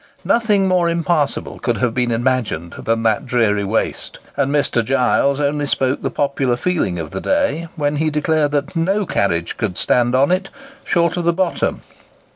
Nothing more impassable could have been imagined than that dreary waste; and Mr. Giles only spoke the popular feeling of the day when he declared that no carriage could stand on it "short of the bottom."